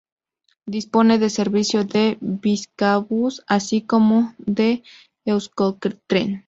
Dispone de servicio de Bizkaibus así como de Euskotren.